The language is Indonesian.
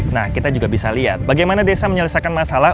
nah kita juga bisa lihat bagaimana desa menyelesaikan masalah